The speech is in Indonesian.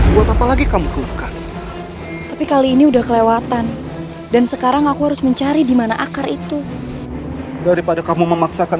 buat apa lagi kamu kelewatan dan sekarang aku harus mencari dimana akar itu daripada kamu memaksakan